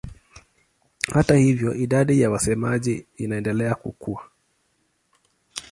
Hata hivyo idadi ya wasemaji inaendelea kukua.